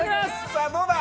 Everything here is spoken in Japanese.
さあどうだ？